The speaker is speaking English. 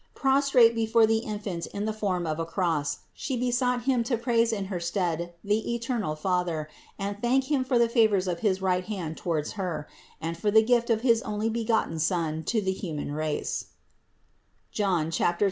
Prostrate before the Infant in the form of a cross, She besought Him to praise in her stead the eternal Father and thank Him for the favors of his right hand towards Her, and for the gift of his Onlybegotten Son to the human race (John 3, 16).